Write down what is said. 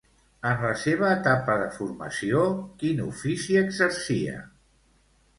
En la seva etapa de formació, quin ofici exercia?